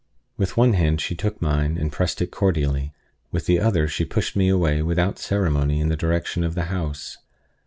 With one hand she took mine, and pressed it cordially; with the other she pushed me away without ceremony in the direction of the house.